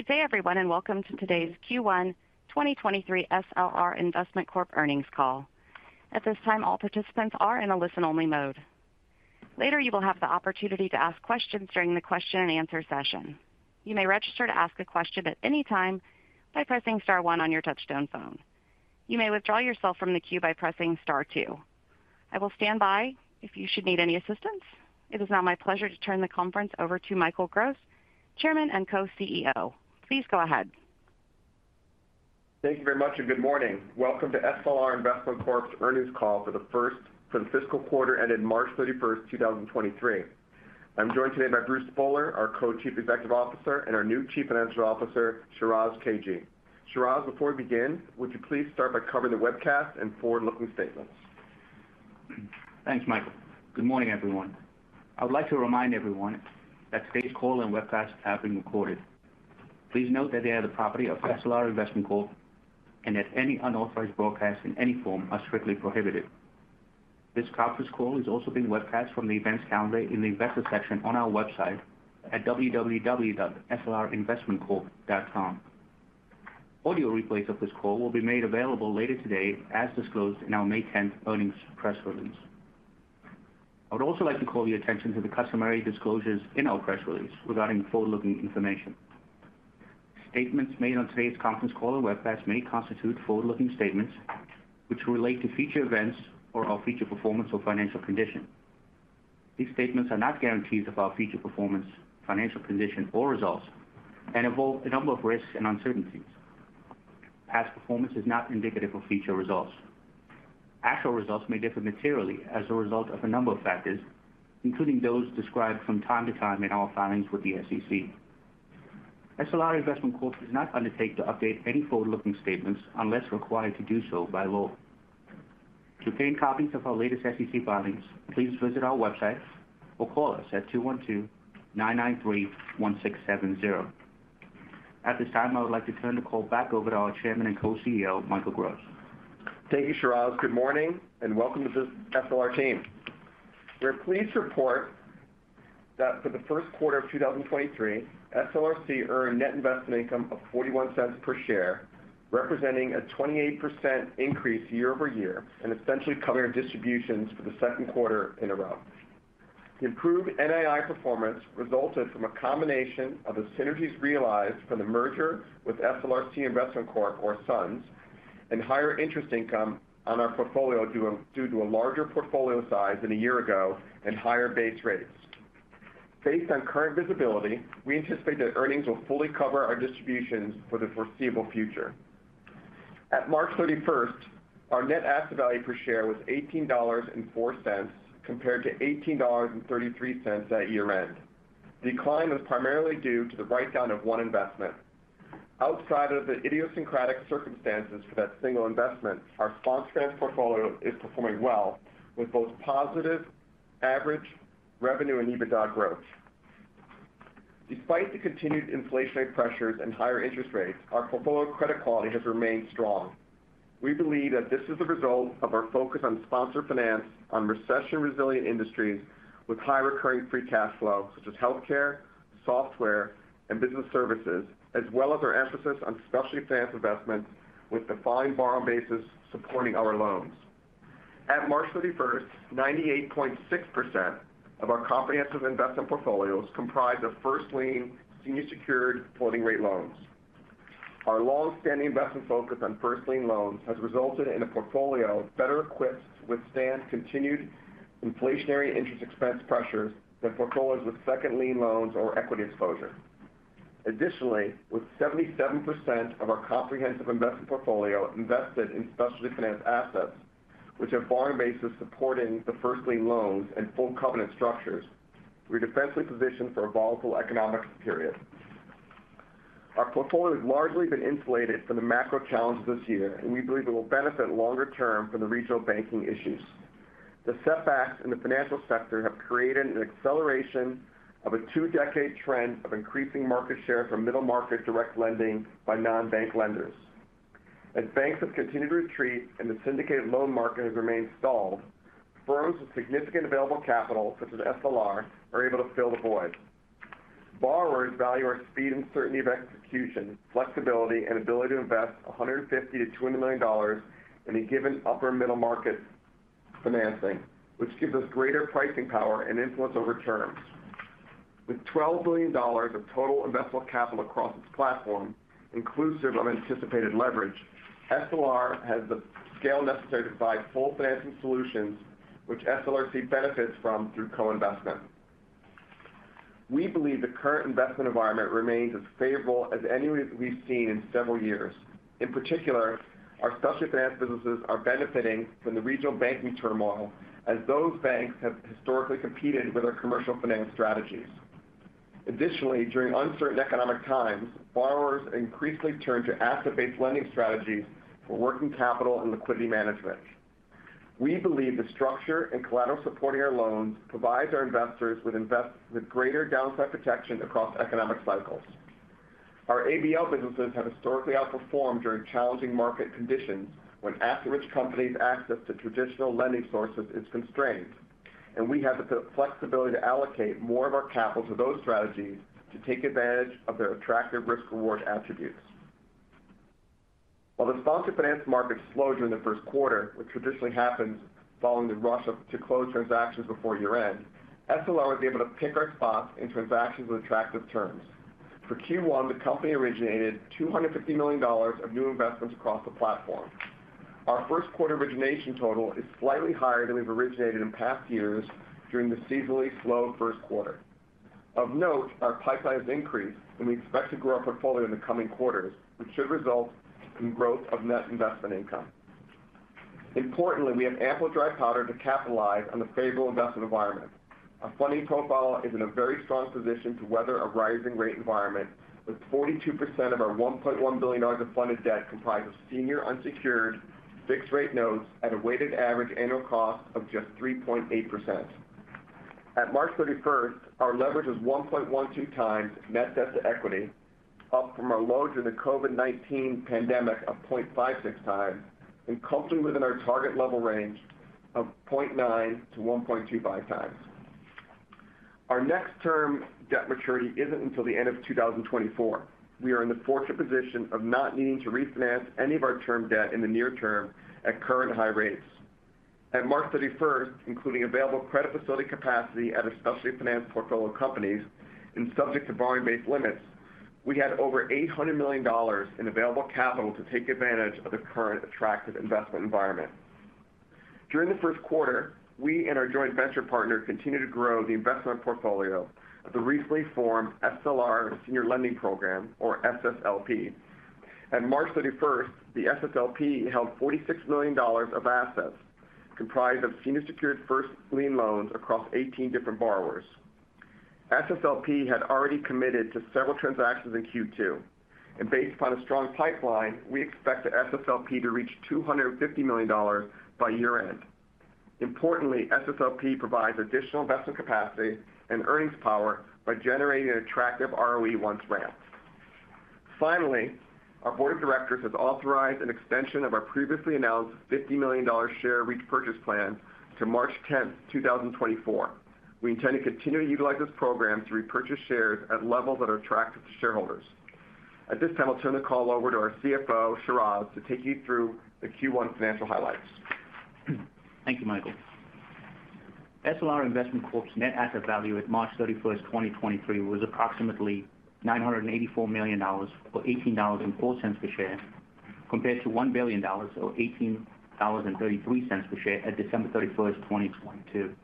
Good day, everyone, and welcome to today's Q1 2023 SLR Investment Corp earnings call. At this time, all participants are in a listen-only mode. Later, you will have the opportunity to ask questions during the question and answer session. You may register to ask a question at any time by pressing star one on your touchtone phone. You may withdraw yourself from the queue by pressing star two. I will stand by if you should need any assistance. It is now my pleasure to turn the conference over to Michael Gross, Chairman and Co-CEO. Please go ahead. Thank you very much. Good morning. Welcome to SLR Investment Corp's earnings call for the fiscal quarter ending March 31st, 2023. I'm joined today by Bruce Spohler, our Co-Chief Executive Officer, and our new Chief Financial Officer, Shiraz Kajee. Shiraz, before we begin, would you please start by covering the webcast and forward-looking statements? Thanks, Michael. Good morning, everyone. I would like to remind everyone that today's call and webcast are being recorded. Please note that they are the property of SLR Investment Corp., and that any unauthorized broadcasts in any form are strictly prohibited. This conference call is also being webcast from the Events calendar in the Investor section on our website at www.slrinvestmentcorp.com. Audio replays of this call will be made available later today, as disclosed in our May tenth earnings press release. I would also like to call your attention to the customary disclosures in our press release regarding forward-looking information. Statements made on today's conference call and webcast may constitute forward-looking statements which relate to future events or our future performance or financial condition. These statements are not guarantees of our future performance, financial condition or results and involve a number of risks and uncertainties. Past performance is not indicative of future results. Actual results may differ materially as a result of a number of factors, including those described from time to time in our filings with the SEC. SLR Investment Corp does not undertake to update any forward-looking statements unless required to do so by law. To obtain copies of our latest SEC filings, please visit our website or call us at 212-993-1670. At this time, I would like to turn the call back over to our Chairman and Co-CEO, Michael Gross. Thank you, Shiraz. Good morning, welcome to the SLR team. We're pleased to report that for the first quarter of 2023, SLRC earned net investment income of $0.41 per share, representing a 28% increase year-over-year and essentially covering distributions for the second quarter in a row. The improved NII performance resulted from a combination of the synergies realized from the merger with SLR Senior Investment Corp., or SUNS, and higher interest income on our portfolio due to a larger portfolio size than a year ago and higher base rates. Based on current visibility, we anticipate that earnings will fully cover our distributions for the foreseeable future. At March 31st, our net asset value per share was $18.04, compared to $18.33 at year-end. The decline was primarily due to the write-down of one investment. Outside of the idiosyncratic circumstances for that single investment, our sponsor finance portfolio is performing well with both positive average revenue and EBITDA growth. Despite the continued inflationary pressures and higher interest rates, our portfolio credit quality has remained strong. We believe that this is the result of our focus on sponsor finance on recession-resilient industries with high recurring free cash flow, such as healthcare, software, and business services, as well as our emphasis on specialty finance investments with defined borrowing bases supporting our loans. At March 31st, 98.6% of our comprehensive investment portfolio is comprised of first lien senior secured floating rate loans. Our long-standing investment focus on first lien loans has resulted in a portfolio better equipped to withstand continued inflationary interest expense pressures than portfolios with second lien loans or equity exposure. Additionally, with 77% of our comprehensive investment portfolio invested in specialty finance assets, which have borrowing bases supporting the first lien loans and full covenant structures, we're defensively positioned for a volatile economic period. Our portfolio has largely been insulated from the macro challenges this year, and we believe it will benefit longer term from the regional banking issues. The setbacks in the financial sector have created an acceleration of a two-decade trend of increasing market share from middle market direct lending by non-bank lenders. As banks have continued to retreat and the syndicated loan market has remained stalled, firms with significant available capital, such as SLR, are able to fill the void. Borrowers value our speed and certainty of execution, flexibility, and ability to invest $150 million-$200 million in a given upper middle market financing, which gives us greater pricing power and influence over terms. With $12 billion of total investable capital across its platform, inclusive of anticipated leverage, SLR has the scale necessary to provide full financing solutions which SLRC benefits from through co-investment. We believe the current investment environment remains as favorable as any we've seen in several years. In particular, our specialty finance businesses are benefiting from the regional banking turmoil as those banks have historically competed with our commercial finance strategies. Additionally, during uncertain economic times, borrowers increasingly turn to asset-based lending strategies for working capital and liquidity management. We believe the structure and collateral supporting our loans provides our investors with greater downside protection across economic cycles. Our ABL businesses have historically outperformed during challenging market conditions when asset-rich companies' access to traditional lending sources is constrained. We have the flexibility to allocate more of our capital to those strategies to take advantage of their attractive risk-reward attributes. While the sponsored finance market slowed during the first quarter, which traditionally happens following the rush to close transactions before year-end, SLR was able to pick our spots in transactions with attractive terms. For Q1, the company originated $250 million of new investments across the platform. Our first quarter origination total is slightly higher than we've originated in past years during the seasonally slow first quarter. Of note, our pipeline has increased, and we expect to grow our portfolio in the coming quarters, which should result in growth of net investment income. Importantly, we have ample dry powder to capitalize on the favorable investment environment. Our funding profile is in a very strong position to weather a rising rate environment, with 42% of our $1.1 billion of funded debt comprised of senior unsecured fixed rate notes at a weighted average annual cost of just 3.8%. At March 31st, our leverage was 1.12x net debt to equity, up from our low during the COVID-19 pandemic of 0.65x, and comfortably within our target level range of 0.9x- 1.25x. Our next term debt maturity isn't until the end of 2024. We are in the fortunate position of not needing to refinance any of our term debt in the near term at current high rates. At March 31st, including available credit facility capacity at our specialty finance portfolio companies and subject to borrowing base limits, we had over $800 million in available capital to take advantage of the current attractive investment environment. During the 1st quarter, we and our joint venture partner continued to grow the investment portfolio of the recently formed SLR Senior Lending Program, or SSLP. At March 31st, the SSLP held $46 million of assets comprised of senior secured first lien loans across 18 different borrowers. SSLP had already committed to several transactions in Q2. Based upon a strong pipeline, we expect the SSLP to reach $250 million by year-end. Importantly, SSLP provides additional investment capacity and earnings power by generating an attractive ROE once ramped. Finally, our board of directors has authorized an extension of our previously announced $50 million share repurchase plan to March 10, 2024. We intend to continue to utilize this program to repurchase shares at levels that are attractive to shareholders. At this time, I'll turn the call over to our CFO, Shiraz, to take you through the Q1 financial highlights. Thank you, Michael. SLR Investment Corp.'s net asset value at March 31, 2023 was approximately $984 million, or $18.04 per share, compared to $1 billion or $18.33 per share at December 31, 2022.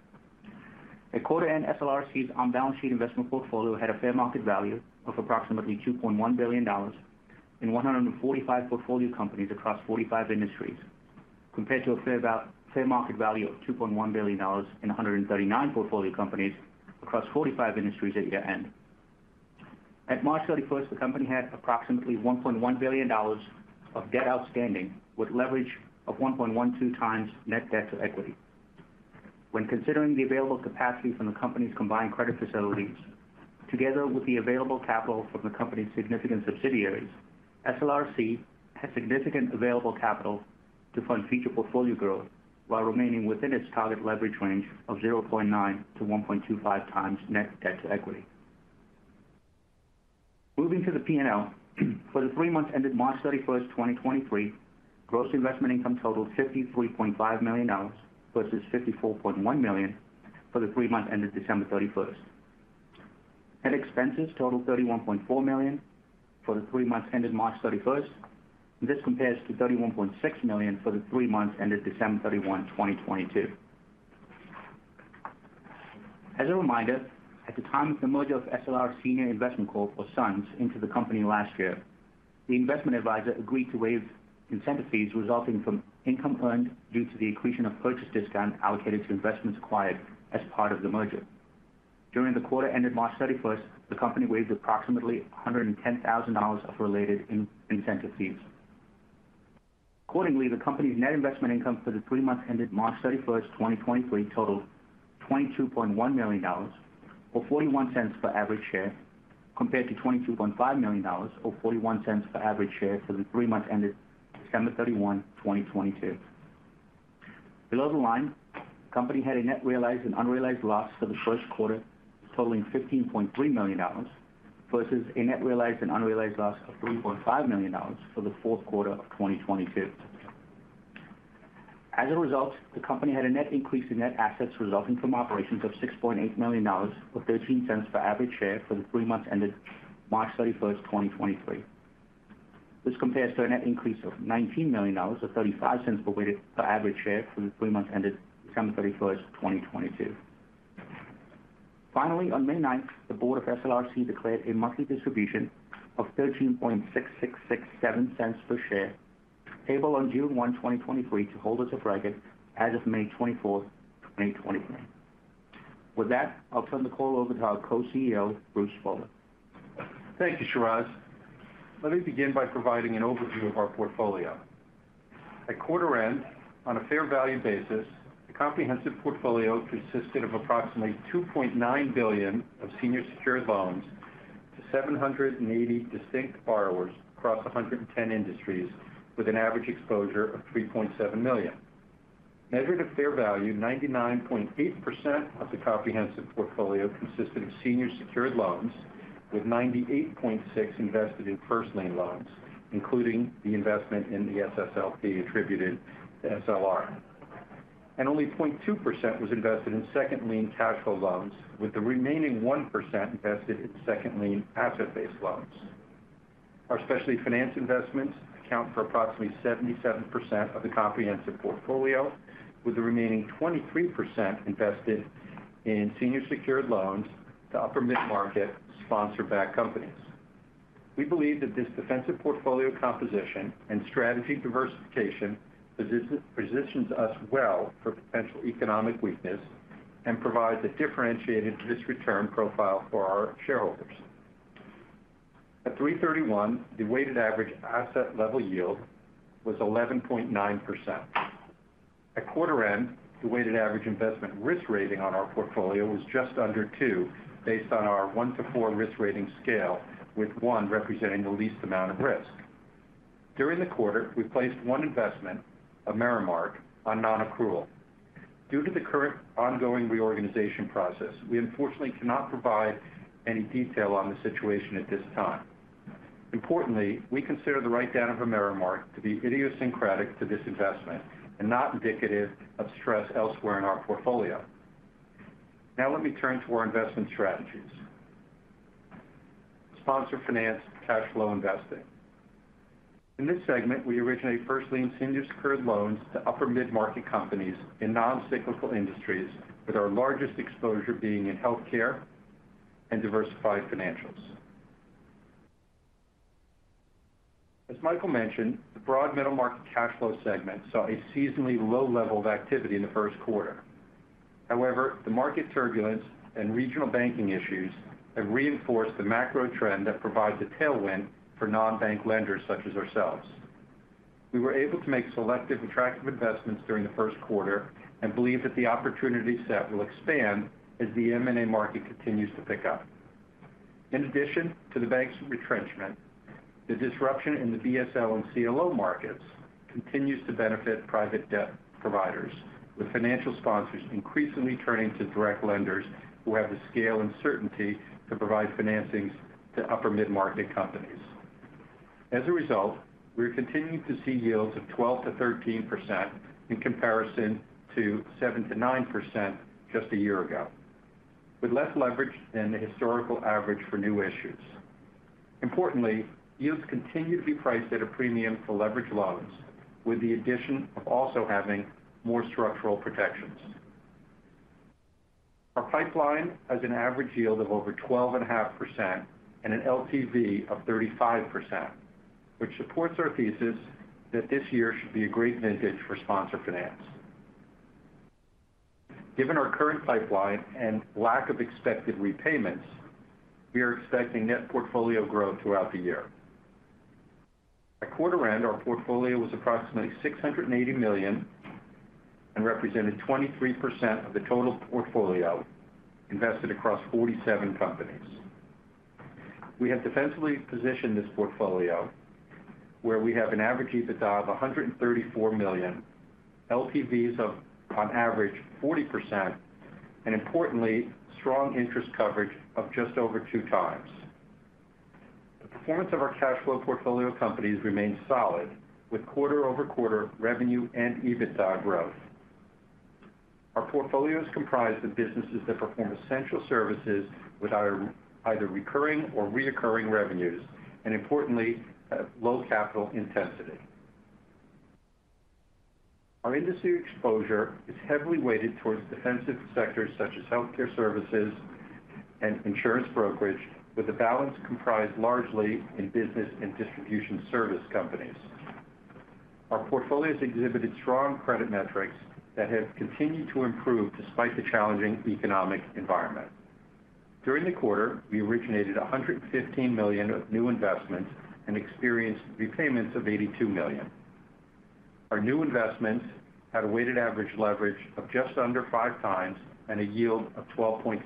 At quarter end, SLRC's on-balance sheet investment portfolio had a fair market value of approximately $2.1 billion in 145 portfolio companies across 45 industries, compared to a fair market value of $2.1 billion in 139 portfolio companies across 45 industries at year-end. At March 31, the company had approximately $1.1 billion of debt outstanding, with leverage of 1.12x net debt to equity. When considering the available capacity from the company's combined credit facilities, together with the available capital from the company's significant subsidiaries, SLRC has significant available capital to fund future portfolio growth while remaining within its target leverage range of 0.9x to 1.25x net debt to equity. Moving to the P&L, for the three months ended March 31, 2023, gross investment income totaled $53.5 million versus $54.1 million for the three months ended December 31. Head expenses totaled $31.4 million for the three months ended March 31. This compares to $31.6 million for the three months ended December 31, 2022. As a reminder, at the time of the merger of SLR Senior Investment Corp., or SUNS, into the company last year, the investment advisor agreed to waive incentive fees resulting from income earned due to the accretion of purchase discount allocated to investments acquired as part of the merger. During the quarter ended March 31st, the company waived approximately $110,000 of related incentive fees. Accordingly, the company's net investment income for the three months ended March 31st, 2023 totaled $22.1 million, or $0.41 per average share, compared to $22.5 million or $0.41 per average share for the three months ended December 31, 2022. Below the line, the company had a net realized and unrealized loss for the first quarter totaling $15.3 million versus a net realized and unrealized loss of $3.5 million for the fourth quarter of 2022. As a result, the company had a net increase in net assets resulting from operations of $6.8 million, or $0.13 per average share for the three months ended March 31, 2023. This compares to a net increase of $19 million, or $0.35 per average share for the three months ended December 31, 2022. On May 9, the board of SLRC declared a monthly distribution of $0.136667 per share, payable on June 1, 2023 to holders of record as of May 24, 2023. With that, I'll turn the call over to our Co-CEO, Bruce Spohler. Thank you, Shiraz. Let me begin by providing an overview of our portfolio. At quarter end, on a fair value basis, the comprehensive portfolio consisted of approximately $2.9 billion of senior secured loans. To 780 distinct borrowers across 110 industries with an average exposure of $3.7 million. Measured at fair value, 99.8% of the comprehensive portfolio consisted of senior secured loans, with 98.6% invested in first lien loans, including the investment in the SSLP attributed SLR. Only 0.2% was invested in second lien cash flow loans, with the remaining 1% invested in second lien asset-based loans. Our specialty finance investments account for approximately 77% of the comprehensive portfolio, with the remaining 23% invested in senior secured loans to upper mid-market sponsor-backed companies. We believe that this defensive portfolio composition and strategy diversification positions us well for potential economic weakness and provides a differentiated risk-return profile for our shareholders. At 3/31, the weighted average asset level yield was 11.9%. At quarter end, the weighted average investment risk rating on our portfolio was just under two, based on our one to four risk rating scale, with one representing the least amount of risk. During the quarter, we placed one investment, AmeriMark, on non-accrual. Due to the current ongoing reorganization process, we unfortunately cannot provide any detail on the situation at this time. Importantly, we consider the write-down of AmeriMark to be idiosyncratic to this investment and not indicative of stress elsewhere in our portfolio. Let me turn to our investment strategies. Sponsor finance cash flow investing. In this segment, we originate First lien senior secured loans to upper mid-market companies in non-cyclical industries, with our largest exposure being in healthcare and diversified financials. As Michael mentioned, the broad middle market cash flow segment saw a seasonally low level of activity in the 1st quarter. However, the market turbulence and regional banking issues have reinforced the macro trend that provides a tailwind for non-bank lenders such as ourselves. We were able to make selective attractive investments during the first quarter and believe that the opportunity set will expand as the M&A market continues to pick up. In addition to the bank's retrenchment, the disruption in the BSL and CLO markets continues to benefit private debt providers, with financial sponsors increasingly turning to direct lenders who have the scale and certainty to provide financings to upper mid-market companies. As a result, we're continuing to see yields of 12%-13% in comparison to 7%-9% just a year ago, with less leverage than the historical average for new issues. Importantly, yields continue to be priced at a premium for leveraged loans, with the addition of also having more structural protections. Our pipeline has an average yield of over 12.5% and an LTV of 35%, which supports our thesis that this year should be a great vintage for sponsor finance. Given our current pipeline and lack of expected repayments, we are expecting net portfolio growth throughout the year. At quarter end, our portfolio was approximately $680 million and represented 23% of the total portfolio invested across 47 companies. We have defensively positioned this portfolio where we have an average EBITDA of $134 million, LTVs of on average 40%, and importantly, strong interest coverage of just over 2x. The performance of our cash flow portfolio companies remains solid with quarter-over-quarter revenue and EBITDA growth. Our portfolio is comprised of businesses that perform essential services with either recurring or reoccurring revenues and importantly, low capital intensity. Our industry exposure is heavily weighted towards defensive sectors such as healthcare services and insurance brokerage, with the balance comprised largely in business and distribution service companies. Our portfolios exhibited strong credit metrics that have continued to improve despite the challenging economic environment. During the quarter, we originated $115 million of new investments and experienced repayments of $82 million. Our new investments had a weighted average leverage of just under 5x and a yield of 12.6%.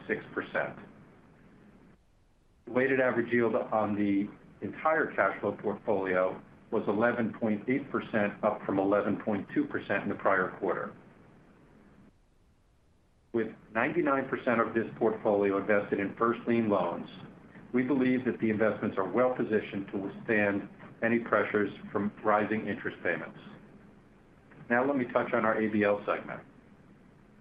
The weighted average yield on the entire cash flow portfolio was 11.8%, up from 11.2% in the prior quarter. With 99% of this portfolio invested in first lien loans, we believe that the investments are well positioned to withstand any pressures from rising interest payments. Let me touch on our ABL segment.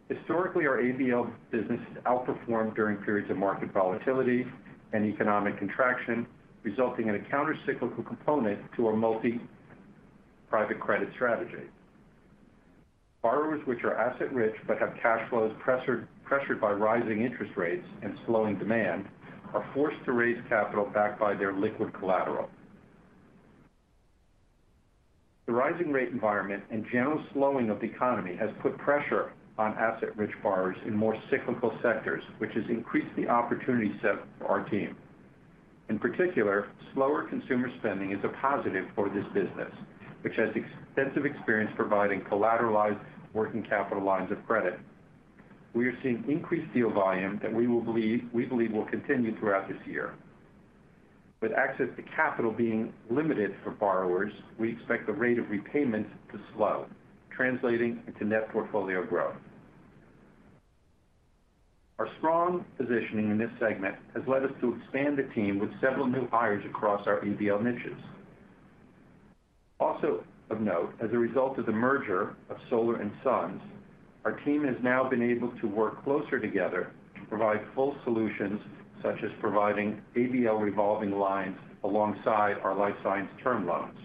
Historically, our ABL business has outperformed during periods of market volatility and economic contraction, resulting in a countercyclical component to our multi-private credit strategy. Borrowers which are asset rich but have cash flows pressured by rising interest rates and slowing demand are forced to raise capital backed by their liquid collateral. The rising rate environment and general slowing of the economy has put pressure on asset-rich borrowers in more cyclical sectors, which has increased the opportunity set for our team. In particular, slower consumer spending is a positive for this business, which has extensive experience providing collateralized working capital lines of credit. We are seeing increased deal volume that we believe will continue throughout this year. Access to capital being limited for borrowers, we expect the rate of repayment to slow, translating into net portfolio growth. Our strong positioning in this segment has led us to expand the team with several new hires across our ABL niches. Also of note, as a result of the merger of SLR and SUNS, our team has now been able to work closer together to provide full solutions, such as providing ABL revolving lines alongside our life science term loans.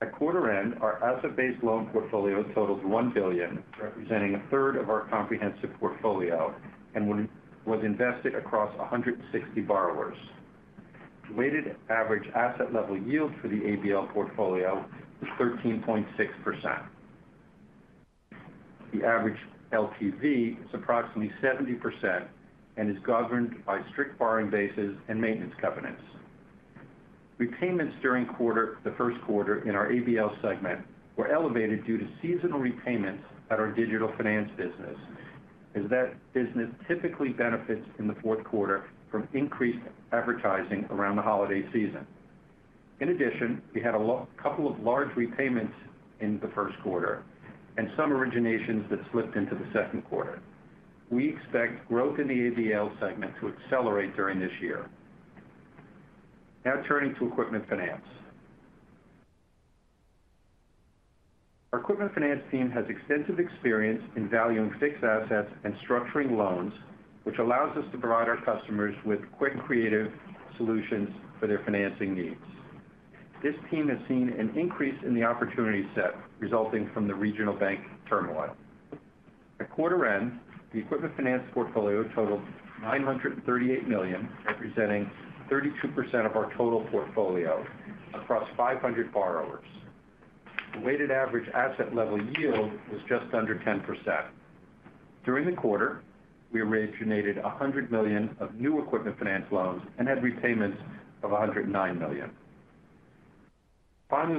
At quarter end, our asset-based loan portfolio totals $1 billion, representing a third of our comprehensive portfolio, and was invested across 160 borrowers. The weighted average asset level yield for the ABL portfolio was 13.6%. The average LTV is approximately 70% and is governed by strict borrowing bases and maintenance covenants. Repayments during the first quarter in our ABL segment were elevated due to seasonal repayments at our digital finance business, as that business typically benefits in the fourth quarter from increased advertising around the holiday season. In addition, we had a couple of large repayments in the first quarter and some originations that slipped into the second quarter. We expect growth in the ABL segment to accelerate during this year. Now turning to equipment finance. Our equipment finance team has extensive experience in valuing fixed assets and structuring loans, which allows us to provide our customers with quick and creative solutions for their financing needs. This team has seen an increase in the opportunity set resulting from the regional bank turmoil. At quarter end, the equipment finance portfolio totaled $938 million, representing 32% of our total portfolio across 500 borrowers. The weighted average asset level yield was just under 10%. During the quarter, we originated $100 million of new equipment finance loans and had repayments of $109 million.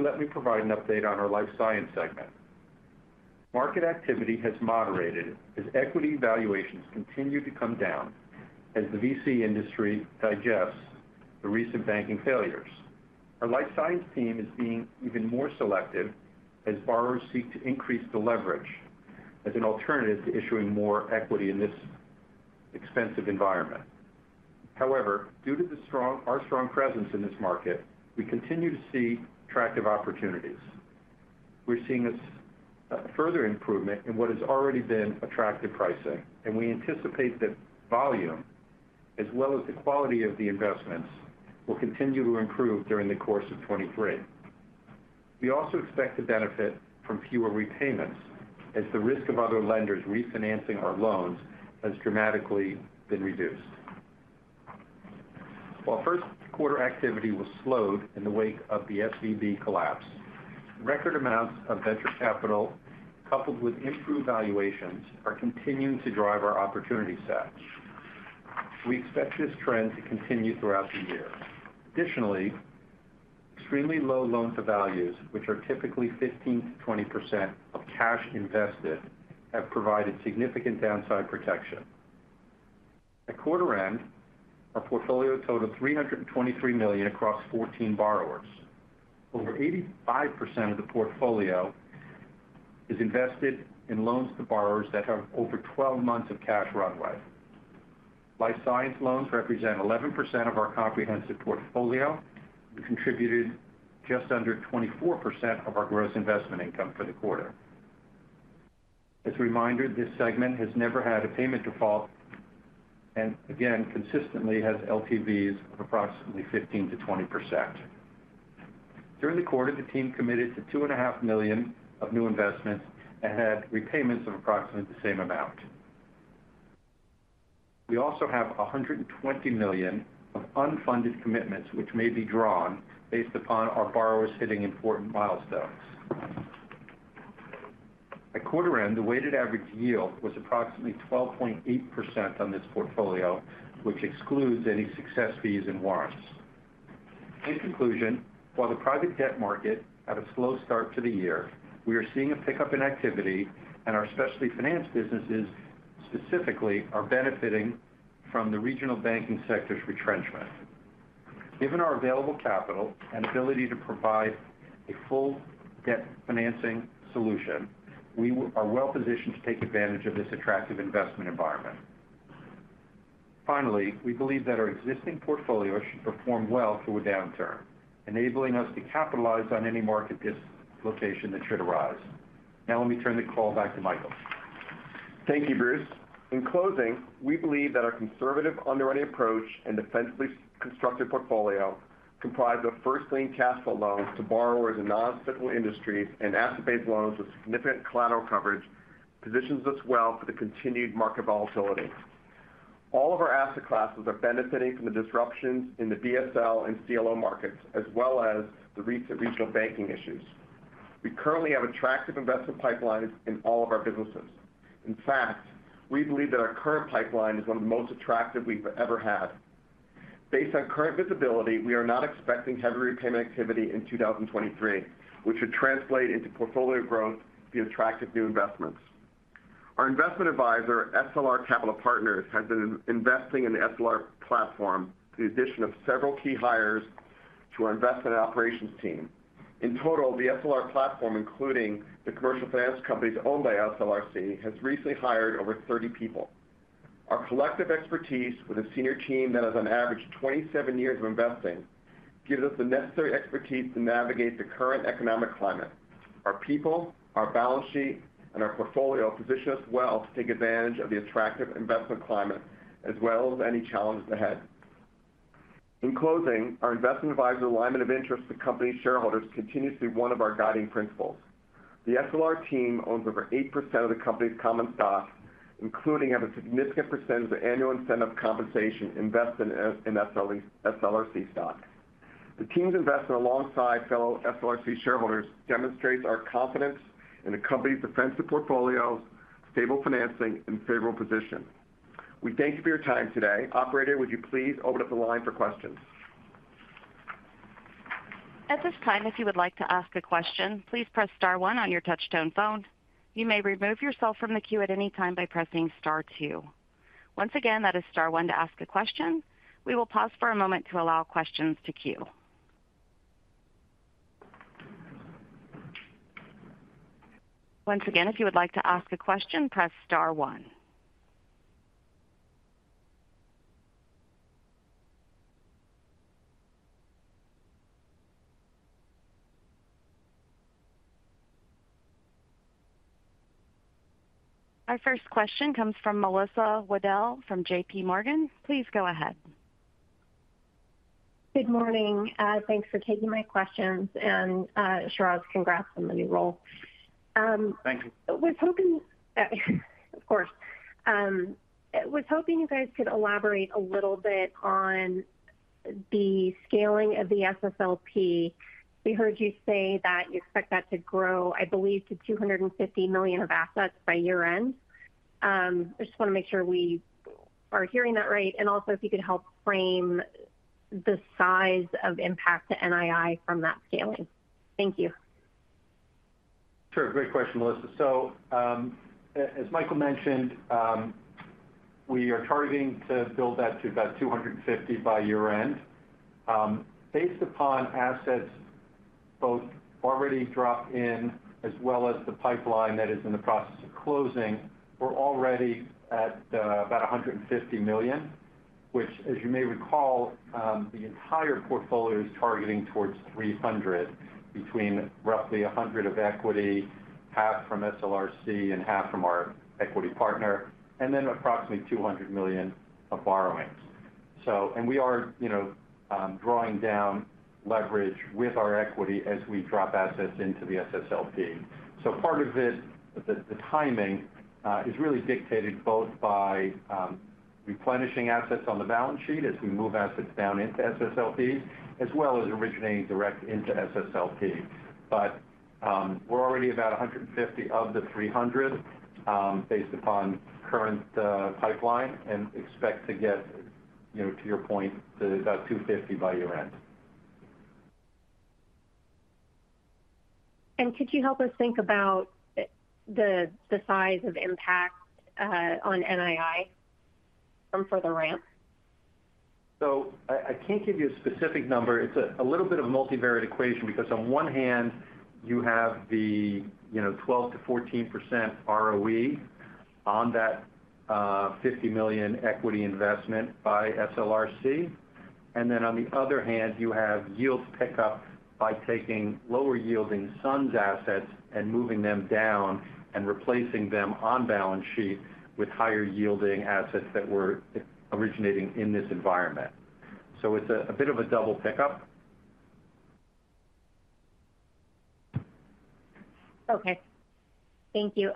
Let me provide an update on our life science segment. Market activity has moderated as equity valuations continue to come down as the VC industry digests the recent banking failures. Our life science team is being even more selective as borrowers seek to increase the leverage as an alternative to issuing more equity in this expensive environment. Due to our strong presence in this market, we continue to see attractive opportunities. We're seeing this further improvement in what has already been attractive pricing, we anticipate that volume, as well as the quality of the investments, will continue to improve during the course of 2023. We also expect to benefit from fewer repayments as the risk of other lenders refinancing our loans has dramatically been reduced. While first quarter activity was slowed in the wake of the SVB collapse, record amounts of venture capital, coupled with improved valuations, are continuing to drive our opportunity set. We expect this trend to continue throughout the year. Additionally, extremely low loan to values, which are typically 15%-20% of cash invested, have provided significant downside protection. At quarter end, our portfolio totaled $323 million across 14 borrowers. Over 85% of the portfolio is invested in loans to borrowers that have over 12 months of cash runway. life science loans represent 11% of our comprehensive portfolio and contributed just under 24% of our gross investment income for the quarter. As a reminder, this segment has never had a payment default, again, consistently has LTVs of approximately 15%-20%. During the quarter, the team committed to $2.5 million of new investments and had repayments of approximately the same amount. We also have $120 million of unfunded commitments, which may be drawn based upon our borrowers hitting important milestones. At quarter end, the weighted average yield was approximately 12.8% on this portfolio, which excludes any success fees and warrants. In conclusion, while the private debt market had a slow start to the year, we are seeing a pickup in activity and our specialty finance businesses specifically are benefiting from the regional banking sector's retrenchment. Given our available capital and ability to provide a full debt financing solution, we are well positioned to take advantage of this attractive investment environment. We believe that our existing portfolio should perform well through a downturn, enabling us to capitalize on any market dislocation that should arise. Let me turn the call back to Michael. Thank you, Bruce. In closing, we believe that our conservative underwriting approach and defensively constructed portfolio comprised of first lien cash flow loans to borrowers in non-physical industries and asset-based loans with significant collateral coverage positions us well for the continued market volatility. All of our asset classes are benefiting from the disruptions in the BSL and CLO markets, as well as the re-regional banking issues. We currently have attractive investment pipelines in all of our businesses. In fact, we believe that our current pipeline is one of the most attractive we've ever had. Based on current visibility, we are not expecting heavy repayment activity in 2023, which should translate into portfolio growth through attractive new investments. Our investment advisor, SLR Capital Partners, has been investing in the SLR platform through the addition of several key hires to our investment operations team. In total, the SLR platform, including the commercial finance companies owned by SLRC, has recently hired over 30 people. Our collective expertise with a senior team that has on average 27 years of investing gives us the necessary expertise to navigate the current economic climate. Our people, our balance sheet, and our portfolio position us well to take advantage of the attractive investment climate as well as any challenges ahead. In closing, our investment advisor alignment of interest to company shareholders continues to be one of our guiding principles. The SLR team owns over 8% of the company's common stock, including have a significant percentage of annual incentive compensation invested in SLRC stock. The team's investment alongside fellow SLRC shareholders demonstrates our confidence in the company's defensive portfolios, stable financing, and favorable position. We thank you for your time today. Operator, would you please open up the line for questions? At this time, if you would like to ask a question, please press star one. Our first question comes from Melissa Wedel from J.P. Morgan. Please go ahead. Good morning. Thanks for taking my questions. Shiraz, congrats on the new role. Thank you. Of course. Was hoping you guys could elaborate a little bit on the scaling of the SSLP. We heard you say that you expect that to grow, I believe, to $250 million of assets by year-end. I just wanna make sure we are hearing that right, and also if you could help frame the size of impact to NII from that scaling. Thank you. Sure. Great question, Melissa. As Michael mentioned, we are targeting to build that to about $250 million by year-end. Based upon assets both already dropped in as well as the pipeline that is in the process of closing, we're already at about $150 million, which, as you may recall, the entire portfolio is targeting towards $300 million between roughly $100 million of equity, half from SLRC and half from our equity partner, and then approximately $200 million of borrowings. We are, you know, drawing down leverage with our equity as we drop assets into the SSLP. Part of this, the timing is really dictated both by replenishing assets on the balance sheet as we move assets down into SSLP, as well as originating direct into SSLP. We're already about 150 of the 300, based upon current pipeline and expect to get, you know, to your point, to about 250 by year-end. Could you help us think about the size of impact on NII from further ramp? I can't give you a specific number. It's a little bit of a multivariate equation because on one hand you have the, you know, 12%-14% ROE on that $50 million equity investment by SLRC. On the other hand, you have yields pick up by taking lower yielding SUNS assets and moving them down and replacing them on balance sheet with higher yielding assets that we're originating in this environment. It's a bit of a double pickup. Okay. Thank you.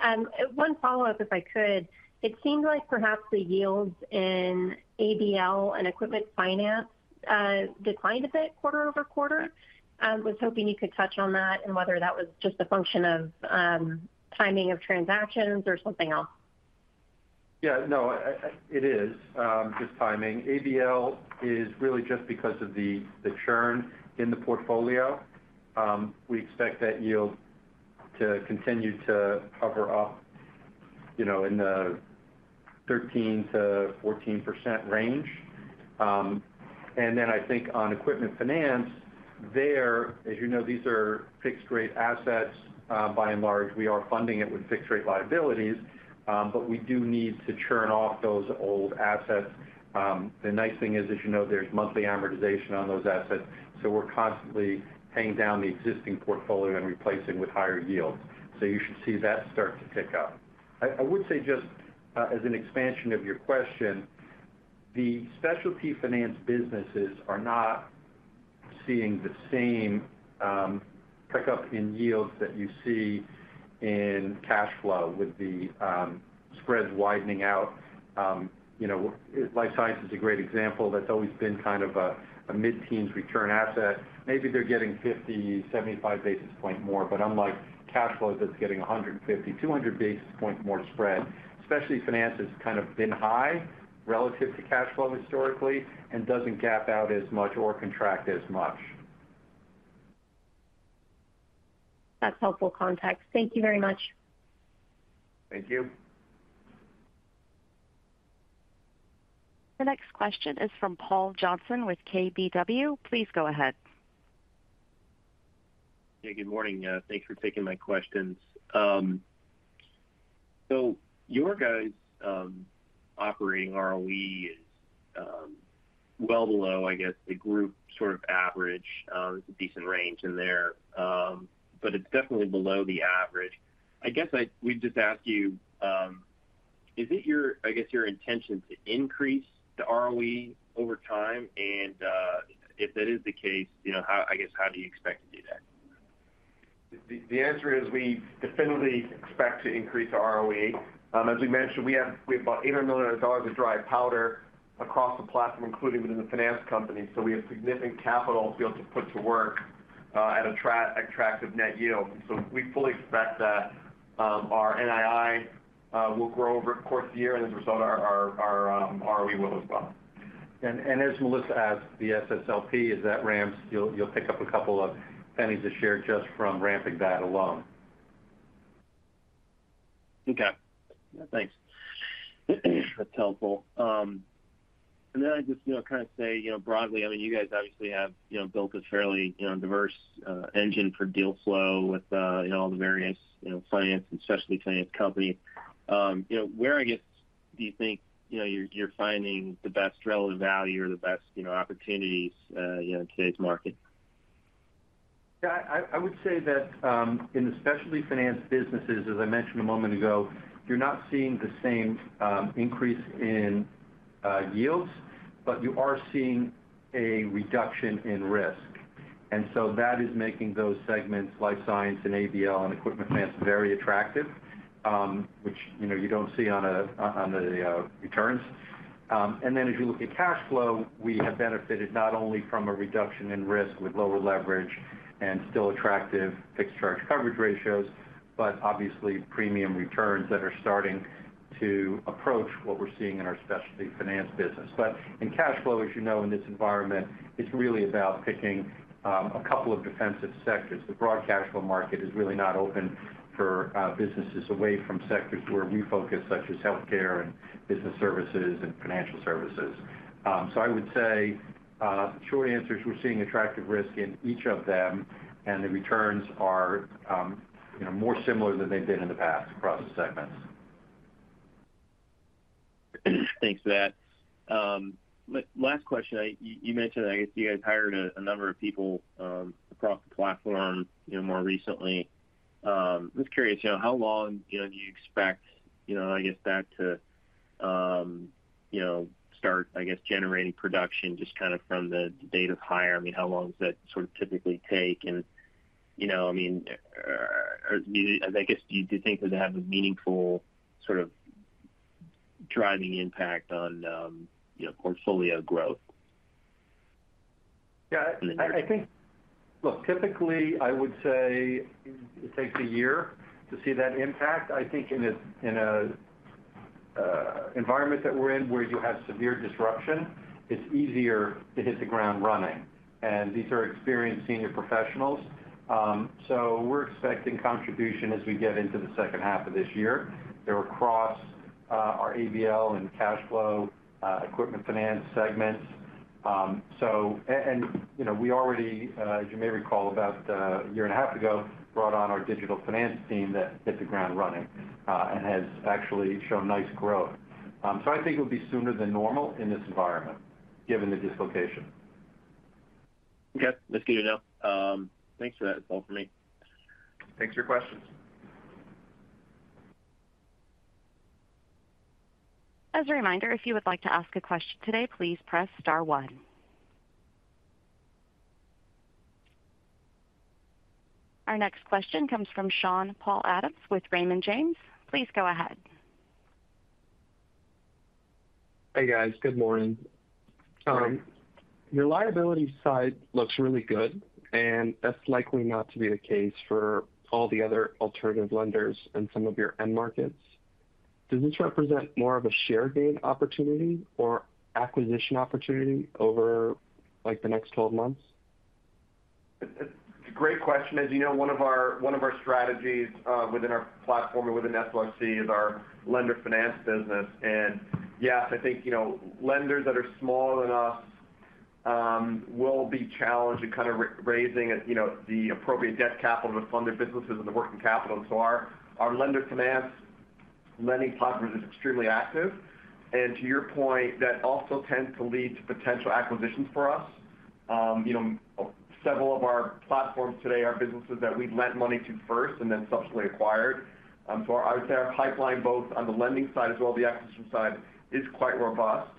One follow-up if I could. It seemed like perhaps the yields in ABL and equipment finance declined a bit quarter-over-quarter. Was hoping you could touch on that and whether that was just a function of timing of transactions or something else. Yeah. No, it is just timing. ABL is really just because of the churn in the portfolio. We expect that yield to continue to hover up, you know, in the 13%-14% range. I think on equipment finance there, as you know, these are fixed rate assets. By and large, we are funding it with fixed rate liabilities, we do need to churn off those old assets. The nice thing is, as you know, there's monthly amortization on those assets, we're constantly paying down the existing portfolio and replacing with higher yields. You should see that start to pick up. I would say just, as an expansion of your question, the specialty finance businesses are not seeing the same, pickup in yields that you see in cash flow with the spreads widening out. You know, life science is a great example. That's always been kind of a mid-teens return asset. Maybe they're getting 50, 75 basis point more, but unlike cash flow that's getting 150basis points-200 basis points more spread. Specialty finance has kind of been high relative to cash flow historically and doesn't gap out as much or contract as much. That's helpful context. Thank you very much. Thank you. The next question is from Paul Johnson with KBW. Please go ahead. Yeah, good morning. Thanks for taking my questions. Your guys' operating ROE is well below, I guess, the group sort of average. There's a decent range in there, but it's definitely below the average. I guess we'd just ask you, is it your, I guess, your intention to increase the ROE over time? If that is the case, you know, I guess, how do you expect to do that? The answer is we definitely expect to increase our ROE. As we mentioned, we have about $800 million of dry powder across the platform, including within the finance company. We have significant capital to be able to put to work at attractive net yield. We fully expect that our NII will grow over the course of the year, and as a result, our ROE will as well. As Melissa asked, the SSLP, as that ramps, you'll pick up a couple of pennies a share just from ramping that alone. Okay. Yeah, thanks. That's helpful. Then I just, you know, kind of say, you know, broadly, I mean, you guys obviously have, you know, built a fairly, you know, diverse engine for deal flow with, you know, all the various, you know, finance and specialty finance company. You know, where, I guess, do you think, you know, you're finding the best relative value or the best, you know, opportunities, you know, in today's market? Yeah, I would say that in the specialty finance businesses, as I mentioned a moment ago, you're not seeing the same increase in yields, you are seeing a reduction in risk. That is making those segments, life science and ABL and equipment finance, very attractive, which, you know, you don't see on the returns. As you look at cash flow, we have benefited not only from a reduction in risk with lower leverage and still attractive fixed charge coverage ratio, but obviously premium returns that are starting to approach what we're seeing in our specialty finance business. In cash flow, as you know, in this environment, it's really about picking a couple of defensive sectors. The broad cash flow market is really not open for businesses away from sectors where we focus, such as healthcare and business services and financial services. I would say, the short answer is we're seeing attractive risk in each of them, and the returns are, you know, more similar than they've been in the past across the segments. Thanks for that. Last question. You mentioned, I guess, you guys hired a number of people across the platform, you know, more recently. Just curious, you know, how long, you know, do you expect, you know, I guess that to start, I guess, generating production just kind of from the date of hire? I mean, how long does that sort of typically take? You know, I mean, I guess, do you think it would have a meaningful sort of driving impact on, you know, portfolio growth? Yeah, I think. Look, typically, I would say it takes a year to see that impact. I think in an environment that we're in, where you have severe disruption, it's easier to hit the ground running. These are experienced senior professionals. We're expecting contribution as we get into the second half of this year. They're across our ABL and cash flow equipment finance segments. And, you know, we already, as you may recall about a year and a half ago, brought on our digital finance team that hit the ground running and has actually shown nice growth. I think it'll be sooner than normal in this environment, given the dislocation. Okay. That's good to know. Thanks for that. That's all for me. Thanks for your questions. As a reminder, if you would like to ask a question today, please press star one. Our next question comes from Sean-Paul Adams with Raymond James. Please go ahead. Hey, guys. Good morning. Good morning. Your liability side looks really good, and that's likely not to be the case for all the other alternative lenders in some of your end markets. Does this represent more of a share gain opportunity or acquisition opportunity over, like, the next 12 months? It's a great question. As you know, one of our, one of our strategies within our platform and within SLR is our lender finance business. Yes, I think, you know, lenders that are smaller than us will be challenged in kind of raising, you know, the appropriate debt capital to fund their businesses and the working capital. Our lender finance lending platform is extremely active. To your point, that also tends to lead to potential acquisitions for us. You know, several of our platforms today are businesses that we've lent money to first and then subsequently acquired. I would say our pipeline, both on the lending side as well the acquisition side, is quite robust.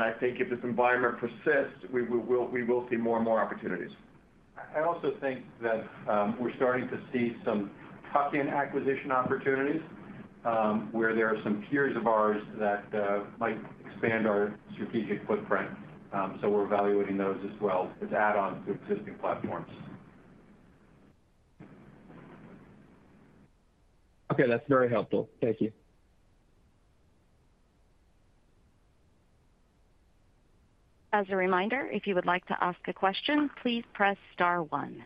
I think if this environment persists, we will see more and more opportunities. I also think that, we're starting to see some tuck-in acquisition opportunities, where there are some peers of ours that might expand our strategic footprint. We're evaluating those as well as add-ons to existing platforms. Okay, that's very helpful. Thank you. As a reminder, if you would like to ask a question, please press star one.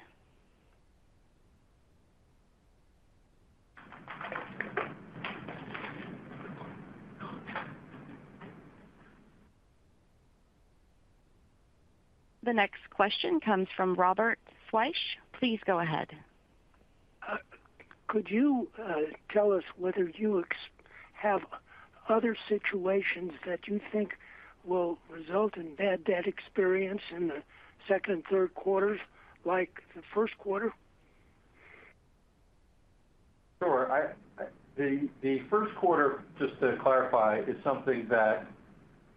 The next question comes from Robert Dodd. Please go ahead. Could you tell us whether you have other situations that you think will result in bad debt experience in the second and third quarters, like the first quarter? Sure. I The first quarter, just to clarify, is something that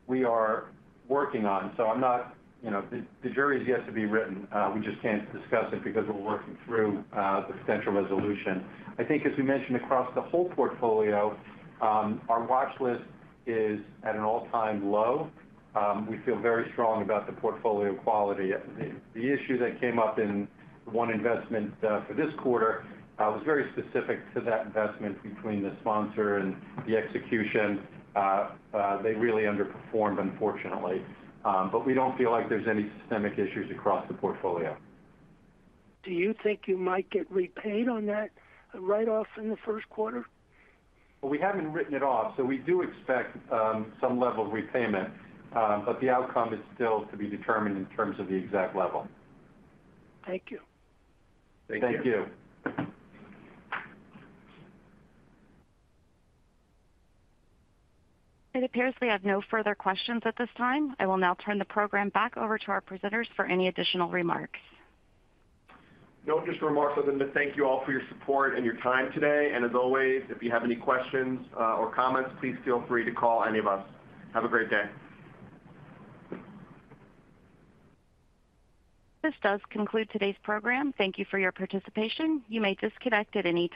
we are working on, so I'm not. You know, the jury is yet to be written. We just can't discuss it because we're working through the potential resolution. I think as we mentioned across the whole portfolio, our watch list is at an all-time low. We feel very strong about the portfolio quality. The issue that came up in one investment, for this quarter, was very specific to that investment between the sponsor and the execution. They really underperformed, unfortunately. We don't feel like there's any systemic issues across the portfolio. Do you think you might get repaid on that write-off in the first quarter? Well, we haven't written it off, so we do expect, some level of repayment, but the outcome is still to be determined in terms of the exact level. Thank you. Thank you. It appears we have no further questions at this time. I will now turn the program back over to our presenters for any additional remarks. No just remarks other than to thank you all for your support and your time today. As always, if you have any questions, or comments, please feel free to call any of us. Have a great day. This does conclude today's program. Thank you for your participation. You may disconnect at any time.